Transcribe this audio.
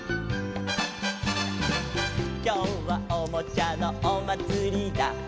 「きょうはおもちゃのおまつりだ」